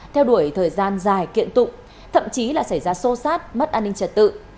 theo đuổi thời gian dài kiện tụng thậm chí là xảy ra xô xát mất an ninh trật tự